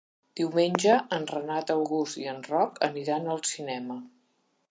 Diumenge en Renat August i en Roc aniran al cinema.